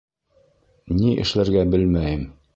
Ни эшләргә белмәйем.